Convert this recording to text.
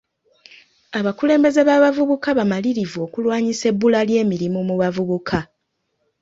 Abakulembeze b'abavubuka bamalirivu okulwanyisa ebbula ly'emirimu mu bavubuka.